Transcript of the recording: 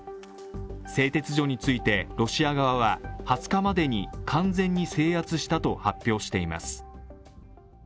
製鉄所についてロシア側は２０日までに完全に制圧したと発表しています。